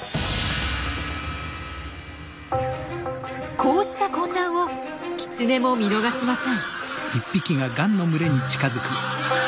こうした混乱をキツネも見逃しません。